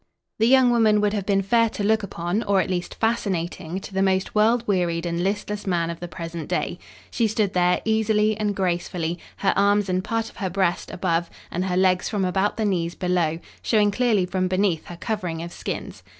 The young woman would have been fair to look upon, or at least fascinating, to the most world wearied and listless man of the present day. She stood there, easily and gracefully, her arms and part of her breast, above, and her legs from about the knees, below, showing clearly from beneath her covering of skins.